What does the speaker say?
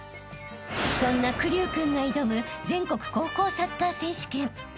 ［そんな玖生君が挑む全国高校サッカー選手権］